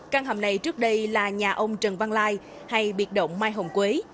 căn hầm này trước đây là nhà ông trần văn lai hay biệt động mai hồng quế